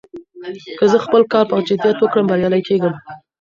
که زه خپل کار په جدیت وکړم، بريالی کېږم.